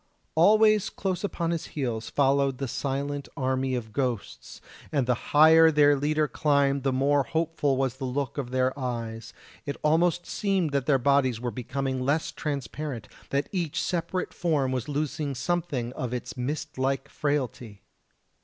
Always close upon his heels followed the silent army of ghosts, and the higher their leader climbed the more hopeful was the look of their eyes; it almost seemed that their bodies were becoming less transparent, that each separate form was losing something of its mist like frailty.